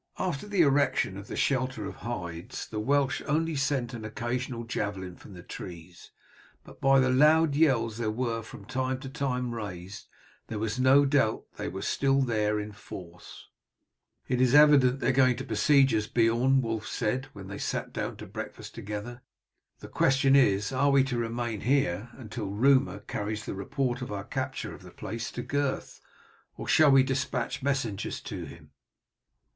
After the erection of the shelter of hides the Welsh only sent an occasional javelin from the trees, but by the loud yells that were from time to time raised, there was no doubt they were still there in force. "It is evident that they are going to besiege us, Beorn," Wulf said when they sat down to breakfast together. "The question is, are we to remain here until rumour carries the report of our capture of the place to Gurth, or shall we despatch messengers to him?"